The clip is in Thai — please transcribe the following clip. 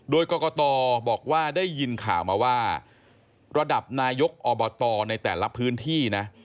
โดยกรกตบอกว่าได้ยินข่าวมาว่าระดับนายกอบตในแต่ละพื้นที่นะ